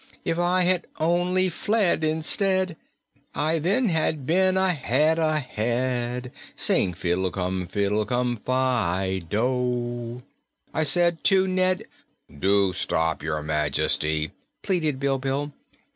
'If I had only fled, instead, I then had been a head ahead.' Sing fiddle cum faddle cum fi do! "I said to Ned " "Do stop, Your Majesty!" pleaded Bilbil.